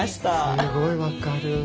すごいわかる。